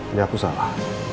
ini aku salah